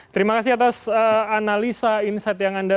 terima kasih atas analisa insight yang anda